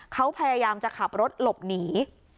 เขาพยายามจะขับรถหลบหนี